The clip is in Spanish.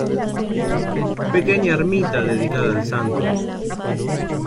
Pequeña ermita dedicada al santo.